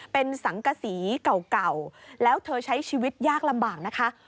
เป็นสังกษีเก่าแล้วเธอใช้ชีวิตยากลำบากนะคะ